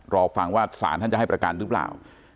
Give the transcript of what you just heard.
รอฟังว่าศาลท่านจะให้ประการรึเปล่า